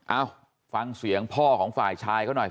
เอ้าฟังเสียงพ่อของฝ่ายชายเขาหน่อย